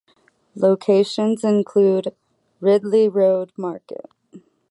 Locations include Ridley Road market.